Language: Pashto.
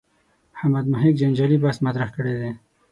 محمد محق جنجالي بحث مطرح کړی دی.